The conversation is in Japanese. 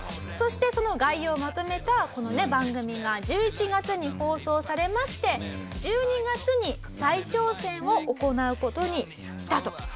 そしてその概要をまとめたこの番組が１１月に放送されまして１２月に再挑戦を行う事にしたと。